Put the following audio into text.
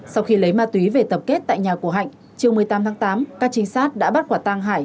sau khi lấy ma túy về tập kết tại nhà của hạnh chiều một mươi tám tháng tám các trinh sát đã bắt quả tăng hải